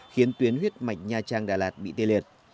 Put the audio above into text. khiến tuyến huyết mạch nha trang đà lạt bị tê liệt